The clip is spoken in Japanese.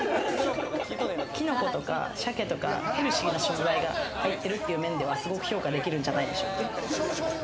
キノコとか鮭とかヘルシーな食材が入ってるという面では、すごく評価できるんじゃないでしょうか。